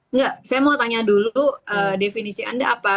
enggak saya mau tanya dulu definisi anda apa